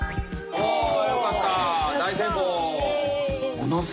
およかった！